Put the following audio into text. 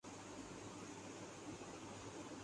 مزاج بدلتا رہتا ہے